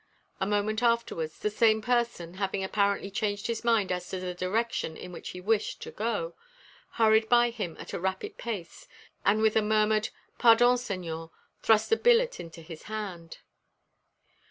A moment afterwards the same person, having apparently changed his mind as to the direction in which he wished to go, hurried by him at a rapid pace; and with a murmured "Pardon, señor," thrust a billet into his hand.